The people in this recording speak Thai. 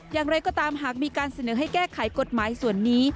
อย่างไรก็ตามหากมีการเสนอให้แก้ไขกฎหมายส่วนนี้